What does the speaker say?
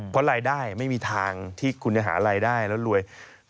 เพราะรายได้ไม่มีทางที่คุณจะหารายได้แล้วรวย